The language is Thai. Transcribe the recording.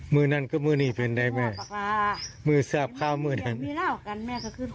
แม่ผมยังไม่ตาย